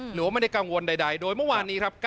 หรือว่าไม่ได้กังวลใดโดยเมื่อวานนี้ครับ